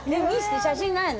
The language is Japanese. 写真ないの？